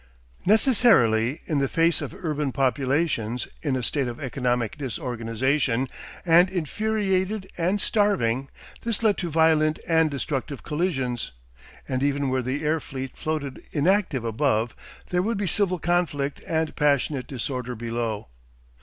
Necessarily, in the face of urban populations in a state of economic disorganisation and infuriated and starving, this led to violent and destructive collisions, and even where the air fleet floated inactive above, there would be civil conflict and passionate disorder below.